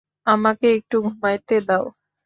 আমাকে একটু ঘুমাইতে দাও।